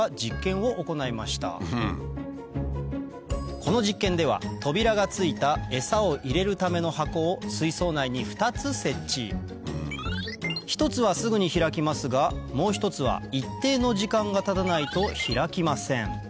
この実験では扉が付いたエサを入れるための箱を水槽内に２つ設置１つはすぐに開きますがもう１つは一定の時間がたたないと開きません